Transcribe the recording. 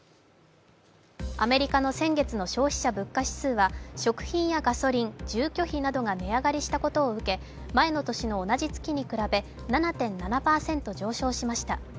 アメリカの先月の消費者物価指数は食品やガソリン、住居費などが値上がりしたことに加え前の年の同じ月に比べ７．７％上昇しました。